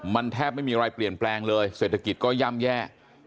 มันแทบไม่มีอะไรเปลี่ยนแปลงเลยเศรษฐกิจก็ย่ำแย่